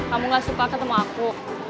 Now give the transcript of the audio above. kamu gak suka ketemu aku